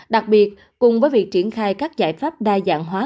đặc biệt cùng với việc triển khai các giải pháp đa dạng hóa